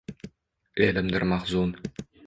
Elimdir mahzun.